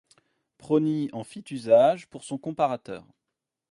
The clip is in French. Prony en fit usage pour son comparateur.